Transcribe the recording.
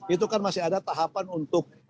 itu kan masih ada tahapan untuk